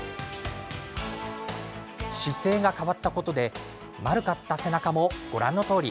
姿勢が変わったことで丸かった背中も、ご覧のとおり。